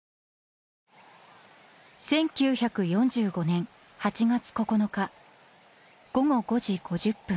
１９４５年８月９日午後５時５０分。